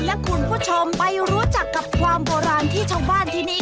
และคุณผู้ชมไปรู้จักกับความโบราณที่ชาวบ้านที่นี่